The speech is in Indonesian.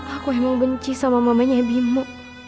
aku emang benci sama mamanya habimu